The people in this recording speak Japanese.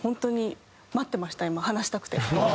話したくて。